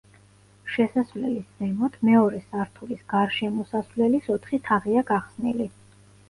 შესასვლელის ზემოთ მეორე სართულის გარშემოსასვლელის ოთხი თაღია გახსნილი.